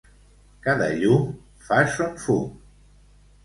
Cada llum fa son fum.